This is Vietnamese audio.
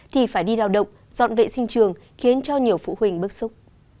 thì phải đi lao động dọn vệ sinh trường khiến cho nhiều phụ huynh bức xúc